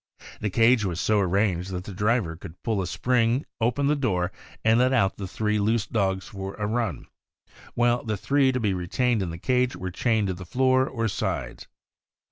The cage was so arranged that the driver could pull a spring, open the door, and let out the three loose dogs for a run, while the three to be retained in the cage were chained to the lioor or sides.